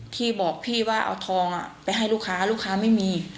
พี่บอกพี่ว่าเอาทองไปให้ลูกค้าลูกค้าไม่มี